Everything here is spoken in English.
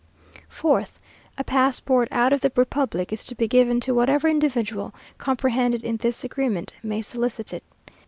4th, A passport out of the republic is to be given to whatever individual, comprehended in this agreement, may solicit it.